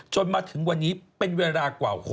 จนถึงวันนี้เป็นเวลากว่า